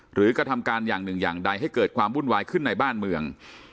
กระทำการอย่างหนึ่งอย่างใดให้เกิดความวุ่นวายขึ้นในบ้านเมือง